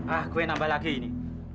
ah gue nambah lagi ini